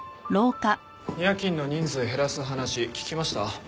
夜勤の人数減らす話聞きました？